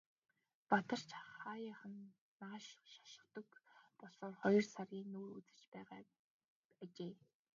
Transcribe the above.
Бадарч хааяахан нааш шогшдог болсоор хоёр сарын нүүр үзэж байгаа ажээ.